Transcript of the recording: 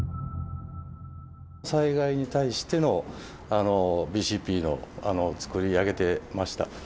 災害に対してのＢＣＰを作り上げてました。